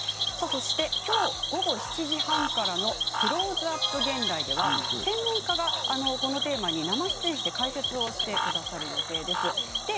きょう午後７時半からの「クローズアップ現代」では専門家が生出演して解説をしてくれる予定です。